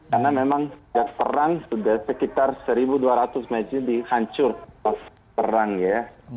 karena memang sejak perang sudah sekitar satu dua ratus masjid dihancur waktu perang ya